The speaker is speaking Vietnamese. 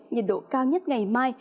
nhiệt độ cao nhất ngày mai